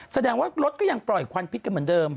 แสดงว่ารถก็ยังปล่อยควันพิษกันเหมือนเดิม